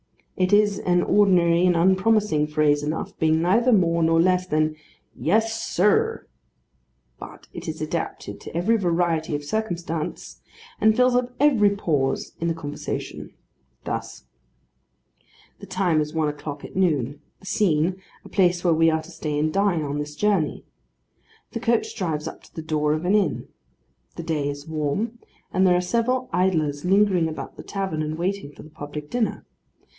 It is an ordinary and unpromising phrase enough, being neither more nor less than 'Yes, sir;' but it is adapted to every variety of circumstance, and fills up every pause in the conversation. Thus:— The time is one o'clock at noon. The scene, a place where we are to stay and dine, on this journey. The coach drives up to the door of an inn. The day is warm, and there are several idlers lingering about the tavern, and waiting for the public dinner.